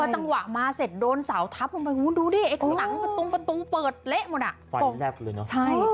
ประจังหวะมาเสร็จโดนเสาทับลงไปนู้นดูดิเอกหลังประตุงประตุงเปิดเละหมดอ่ะ